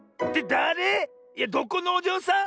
だれ⁉いやどこのおじょうさん？